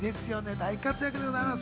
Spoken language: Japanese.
大活躍でございます。